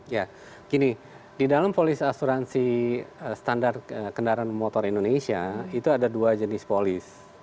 ya gini di dalam polis asuransi standar kendaraan motor indonesia itu ada dua jenis polis